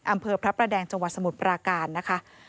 อำเภอพระประแดงจังหวัดสมุทรปราการนะคะ